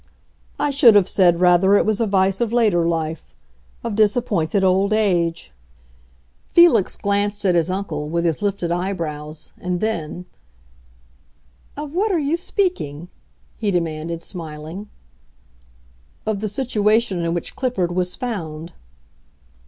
"I should have said rather it was a vice of later life—of disappointed old age." Felix glanced at his uncle, with his lifted eyebrows, and then, "Of what are you speaking?" he demanded, smiling. "Of the situation in which Clifford was found."